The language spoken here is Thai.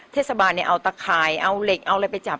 เทศบาลเอาตะข่ายเอาเหล็กเอาอะไรไปจับ